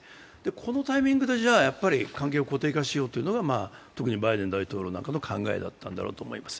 このタイミングで関係を固定化しようというのが特にバイデン大統領なんかの考えだったんだと思います。